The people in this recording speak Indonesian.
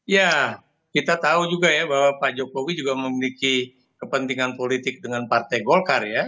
ya kita tahu juga ya bahwa pak jokowi juga memiliki kepentingan politik dengan partai golkar ya